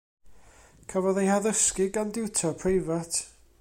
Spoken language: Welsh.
Cafodd ei haddysgu gan diwtor preifat.